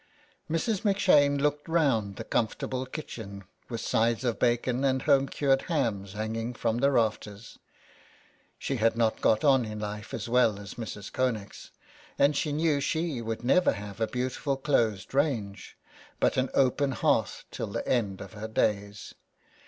Mrs. M 'Shane looked round the comfortable kitchen, with sides of bacon and home cured hams hanging from the rafters. She had not got on in life as well as Mrs. Connex, and she knew she would never have a beautiful closed range, but an open hearth, till the end of her days.